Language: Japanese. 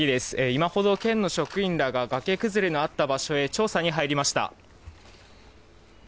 今ほど、県の職員らが崖崩れのあった場所へ調査に入りました。